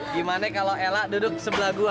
gimana kalau ella duduk sebelah gue